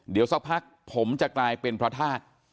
เดี๋ยวสักพักผมจะกลายเป็นพระธาตุ